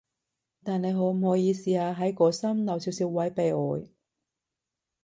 但你可唔可以試下喺個心留少少位畀我？